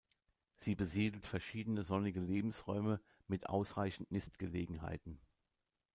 Sie besiedelt verschiedene sonnige Lebensräume mit ausreichend Nistgelegenheiten.